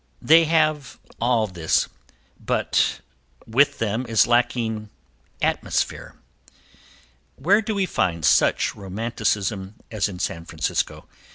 They have all this but with them is lacking "atmosphere." Where do we find such romanticism as in San Francisco?